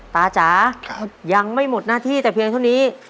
จ๋ายังไม่หมดหน้าที่แต่เพียงเท่านี้